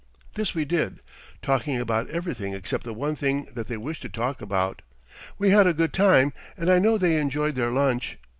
This we did, talking about everything except the one thing that they wished to talk about. We had a good time, and I know they enjoyed their lunch.